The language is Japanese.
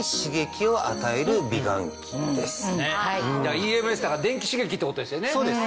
ＥＭＳだから電気刺激ってことですよね。